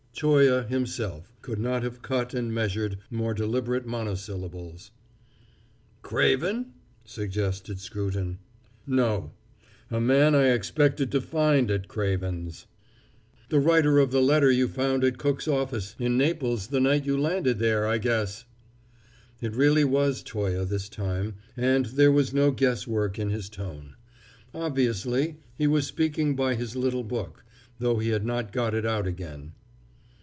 Toye himself could not have cut and measured more deliberate monosyllables. "Craven?" suggested Scruton. "No; a man I expected to find at Craven's." "The writer of the letter you found at Cook's office in Naples the night you landed there, I guess!" It really was Toye this time, and there was no guesswork in his tone. Obviously he was speaking by his little book, though he had not got it out again.